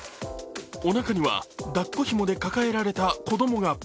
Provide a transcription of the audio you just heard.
おなかには、抱っこひもで抱えられた子供が。